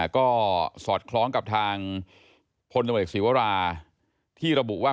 ก็สอดคล้องกับทางพลศิวราที่ระบุว่า